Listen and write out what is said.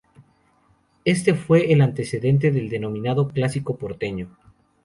Este fue el antecedente del denominado "Clásico Porteño".